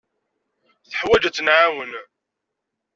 Teḥwaj ad tt-nɛawen.